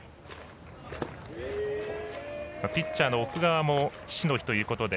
ピッチャーの奥川も父の日ということで